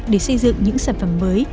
để xây dựng những sản phẩm mới